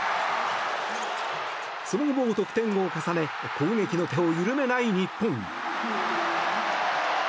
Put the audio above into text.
その後も得点を重ね攻撃の手を緩めない日本。